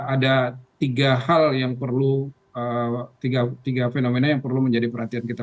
ada tiga hal yang perlu tiga fenomena yang perlu menjadi perhatian kita